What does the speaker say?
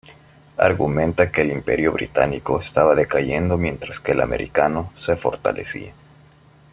Argumenta que el Imperio Británico estaba decayendo mientras que el Americano se fortalecía.